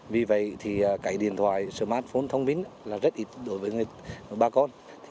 vì vậy thì cái điện thoại smartphone thông minh là rất ít